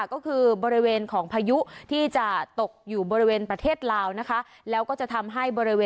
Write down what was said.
ก็คือบริเวณของพายุที่จะตกอยู่บริเวณประเทศลาวนะคะ